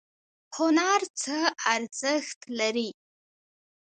هنر څه ارزښت لري؟